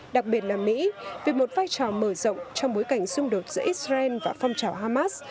đặc biệt là mỹ vì một vai trò mở rộng trong bối cảnh xung đột giữa israel và phong trào hamas